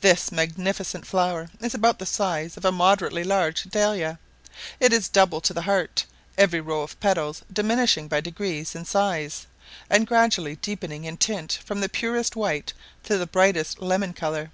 This magnificent flower is about the size of a moderately large dahlia; it is double to the heart; every row of petals diminishing by degrees in size, and gradually deepening in tint from the purest white to the brightest lemon colour.